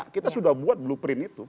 kita sudah buat blueprint itu